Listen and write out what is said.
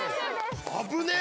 危ねえ！